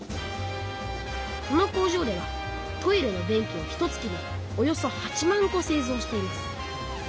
この工場ではトイレの便器をひとつきにおよそ８万こせいぞうしています。